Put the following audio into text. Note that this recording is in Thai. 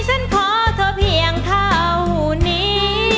ฉันขอเธอเพียงเท่านี้